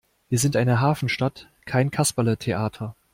Wir sind eine Hafenstadt, kein Kasperletheater!